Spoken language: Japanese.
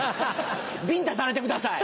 ビンタされてください。